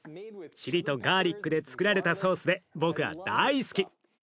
チリとガーリックでつくられたソースで僕は大好き。